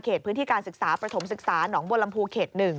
พื้นที่การศึกษาประถมศึกษาหนองบัวลำพูเขต๑